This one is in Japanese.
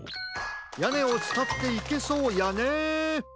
やねをつたっていけそうやね。